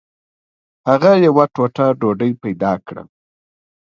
هغه یوه ټوټه ډوډۍ پیدا کړه.